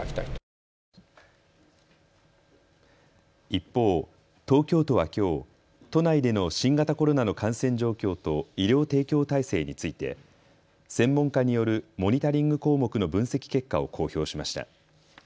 一方、東京都はきょう都内での新型コロナの感染状況と医療提供体制について専門家によるモニタリング項目の分析結果を公表しました。